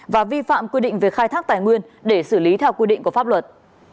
và vi phạm quy định về khai thác tài nguyên để xử lý theo quy định của pháp luật